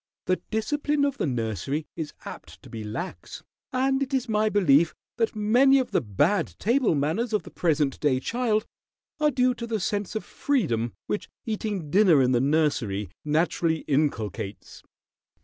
The discipline of the nursery is apt to be lax, and it is my belief that many of the bad table manners of the present day child are due to the sense of freedom which eating dinner in the nursery naturally inculcates."